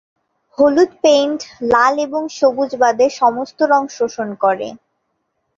হলুদ পেইন্ট লাল এবং সবুজ বাদে সমস্ত রং শোষণ করে।